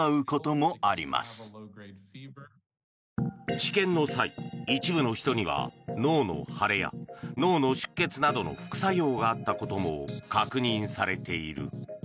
治験の際、一部の人には脳の腫れや脳の出血などの副作用があったことも確認されている。